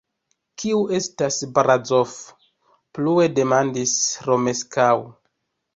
Kiu estas Barazof? plue demandis Romeskaŭ.